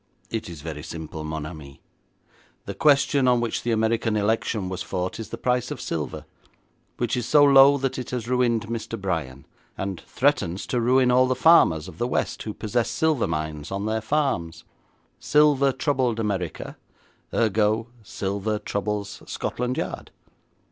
'It is very simple, mon ami. The question on which the American election was fought is the price of silver, which is so low that it has ruined Mr. Bryan, and threatens to ruin all the farmers of the west who possess silver mines on their farms. Silver troubled America, ergo silver troubles Scotland Yard.